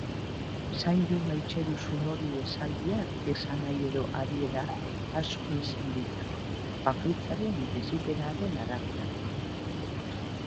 "Zaindu maite duzun hori" esaldiak esanahi edo adiera asko izan ditzake, bakoitzaren bizipenaren araberakoa.